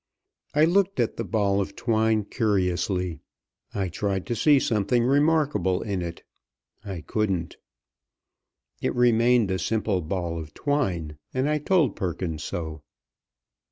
I looked at the ball of twine curiously. I tried to see something remarkable in it. I couldn't. It remained a simple ball of red twine, and I told Perkins so.